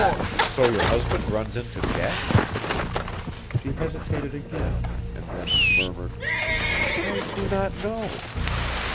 "So your husband runs into debt?" She hesitated again, and then murmured: "I do not know."